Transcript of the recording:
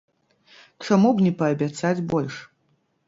Чаму б не паабяцаць больш?